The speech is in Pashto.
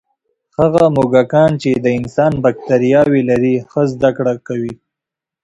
هغه موږکان چې د انسان بکتریاوې لري، ښه زده کړه کوي.